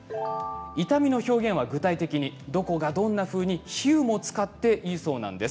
痛みの表現は具体的にどこが、どんなふうに比喩も使っていいそうなんです。